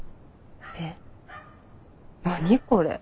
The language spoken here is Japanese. え何これ。